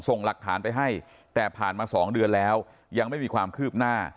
ส่งหลักฐานไปให้แต่ผ่านมา๒เดือนแล้วยังไม่มีความคืบหน้า